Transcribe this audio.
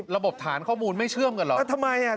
ระบบฐานข้อมูลไม่เชื่อมกันเหรอ